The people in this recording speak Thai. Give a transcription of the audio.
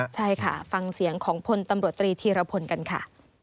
ใช่ค่ะฟังเสียงของพลตำรวจตรีธีรพลกันค่ะ